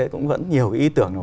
cũng vẫn nhiều cái ý tưởng